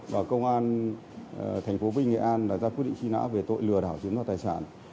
và công an thành phố bình nghệ an ra quyết định truy nã về tội lừa đảo chiến thoát tài sản